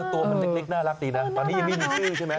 ตัวมันเล็กน่ารักดีนะตอนนี้ยังไม่มีชื่อใช่ไหม